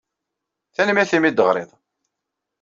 Tanemmirt imi ay d-teɣriḍ.